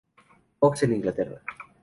Fox en Inglaterra.